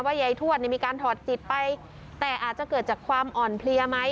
ยายทวดเนี่ยมีการถอดจิตไปแต่อาจจะเกิดจากความอ่อนเพลียไหม